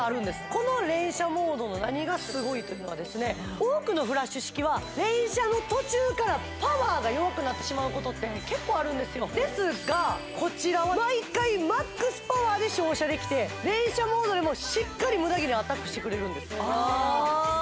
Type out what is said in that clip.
この連射モードの何がすごいというのはですね多くのフラッシュ式は連射の途中からパワーが弱くなってしまうことって結構あるんですよですがこちらは毎回マックスパワーで照射できて連射モードでもしっかりムダ毛にアタックしてくれるんですすごーい！